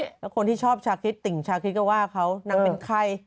แล้วคนที่ชอบชาคริสติ่งชาคริสก็ว่าเขานางเป็นใคร